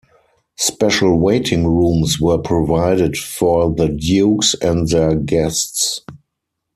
Special waiting rooms were provided for the dukes and their guests.